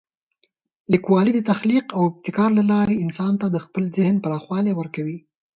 لیکوالی د تخلیق او ابتکار له لارې انسان ته د خپل ذهن پراخوالی ورکوي.